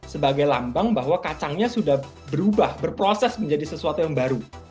sebagai lambang bahwa kacangnya sudah berubah berproses menjadi sesuatu yang baru